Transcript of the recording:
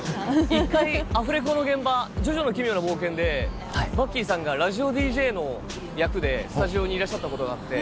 １回アフレコの現場『ジョジョの奇妙な冒険』でバッキーさんがラジオＤＪの役でスタジオにいらっしゃったことがあって。